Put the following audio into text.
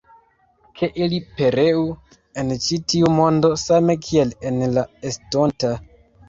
Ke ili pereu en ĉi tiu mondo, same kiel en la estonta!